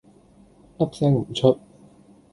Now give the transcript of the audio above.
粒聲唔出